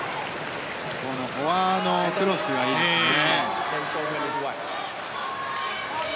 フォアのクロスがいいですね。